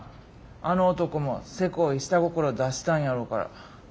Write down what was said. あの男もせこい下心出したんやろから。